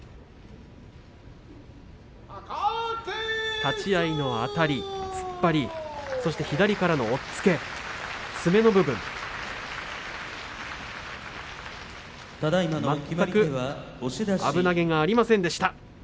立ち合いのあたり、突っ張りそして左からの押っつけ詰めの部分全く危なげがありませんでした。